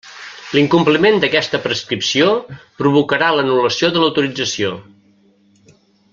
L'incompliment d'aquesta prescripció provocarà l'anul·lació de l'autorització.